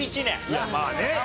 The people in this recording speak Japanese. いやまあね。